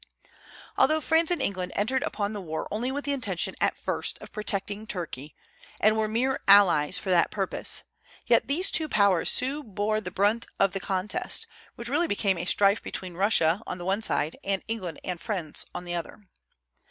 Although France and England entered upon the war only with the intention at first of protecting Turkey, and were mere allies for that purpose, yet these two Powers soon bore the brunt of the contest, which really became a strife between Russia on the one side and England and France on the other.